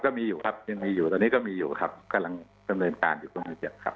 ครับก็มีอยู่ครับยังมีอยู่ตอนนี้ก็มีอยู่ครับกำลังเป็นเรื่องการอยู่ตรงนี้ครับ